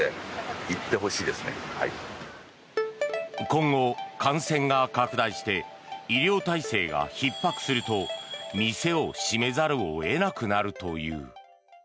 今後、感染が拡大して医療体制がひっ迫すると店を閉めざるを得なくなるという。